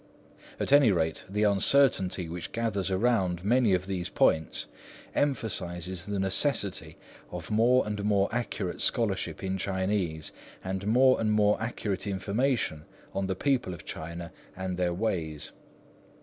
At any rate, the uncertainty which gathers around many of these points emphasises the necessity of more and more accurate scholarship in Chinese, and more and more accurate information on the people of China and their ways.